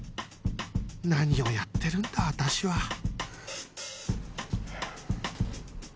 何をやってるんだ私は